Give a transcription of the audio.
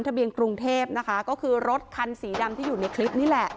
เบียงกรุงเทพนะคะก็คือรถคันสีดำที่อยู่ในคลิปนี่แหละ